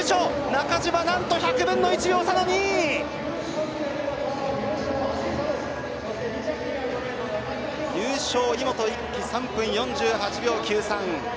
中島、なんと１００分の１秒差の２位！優勝、井本一輝３分４８秒９３。